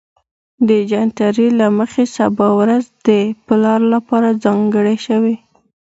د جنتري له مخې سبا ورځ د پلار لپاره ځانګړې شوې